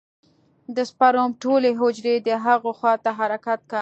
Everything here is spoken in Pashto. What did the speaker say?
د سپرم ټولې حجرې د هغې خوا ته حرکت کا.